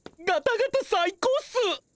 ガタガタ最高っす！